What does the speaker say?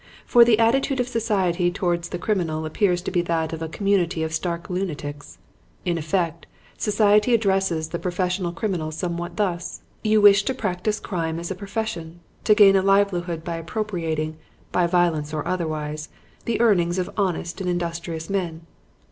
For the attitude of society towards the criminal appears to be that of a community of stark lunatics. In effect, society addresses the professional criminal somewhat thus: "'You wish to practice crime as a profession, to gain a livelihood by appropriating by violence or otherwise the earnings of honest and industrious men.